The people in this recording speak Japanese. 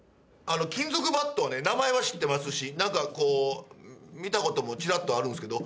金属バットはね名前は知ってますしなんかこう見たこともちらっとあるんですけど。